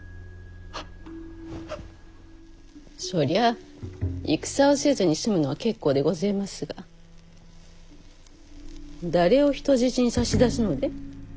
そりゃあ戦をせずに済むのは結構でごぜえますが誰を人質に差し出すので？